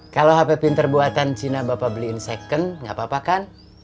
kalau hp pinter buatan cina bapak beliin second nggak apa apa kan